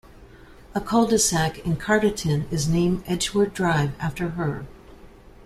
A cul-de-sac in Carterton is named "Edgeworth Drive" after her.